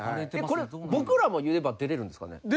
これ僕らも言えば出れるんですかね？